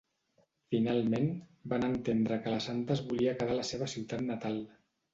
Finalment van entendre que la santa es volia quedar a la seva ciutat natal.